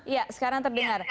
ya sekarang terdengar